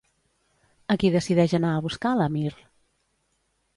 A qui decideix anar a buscar, l'Amir?